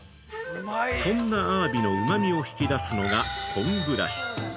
◆そんなアワビのうまみを引き出すのが昆布だし。